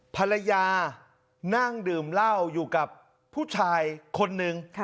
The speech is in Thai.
ภรรยานั่งดื่มเหล้าอยู่กับผู้ชายคนนึง